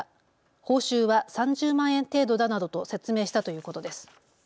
報酬は３０万円程度だなどと説明したということです。